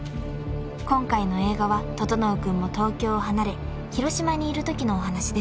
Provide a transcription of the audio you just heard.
［今回の映画は整君も東京を離れ広島にいるときのお話です］